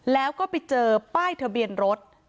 แล้วก็ไปเจอป้ายทะเบียนรถ